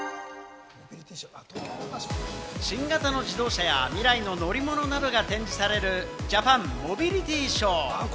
新型の自動車や未来の乗り物などが展示されるジャパンモビリティショー。